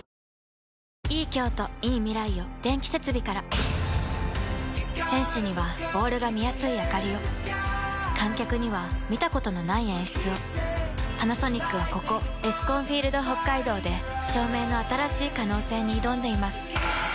メロメロ選手にはボールが見やすいあかりを観客には見たことのない演出をパナソニックはここエスコンフィールドＨＯＫＫＡＩＤＯで照明の新しい可能性に挑んでいます